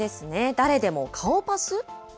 誰でも顔パス？